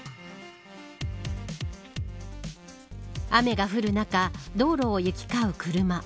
雨が降る中道路を行き交う車。